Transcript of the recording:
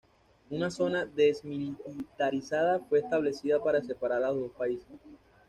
Una zona desmilitarizada fue establecida para separar a los dos países.